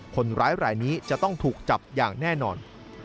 คนร้ายรายนี้จะต้องถูกจับอย่างแน่นอน